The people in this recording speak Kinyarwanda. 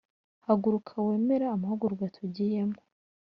Haguruka wemere amahugurwa tugiyemo